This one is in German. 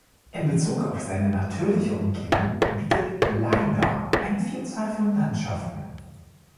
In Bezug auf seine natürliche Umgebung bietet Lleida eine Vielzahl von Landschaften.